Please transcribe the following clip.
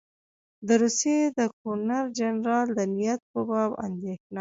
د روسیې د ګورنر جنرال د نیت په باب اندېښنه.